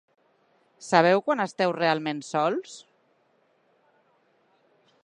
Sabeu quan esteu realment sols?